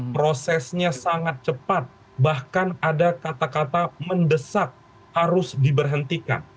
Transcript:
prosesnya sangat cepat bahkan ada kata kata mendesak harus diberhentikan